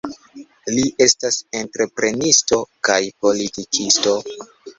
Li estas entreprenisto kaj politikisto.